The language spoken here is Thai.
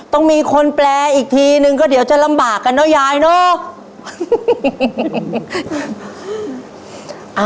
ต้องมีคนแปลอีกทีนึงก็เดี๋ยวจะลำบากกันเนอะยายเนอะ